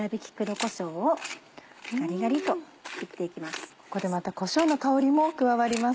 ここでまたこしょうの香りも加わります。